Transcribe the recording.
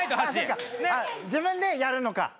自分でやるのか。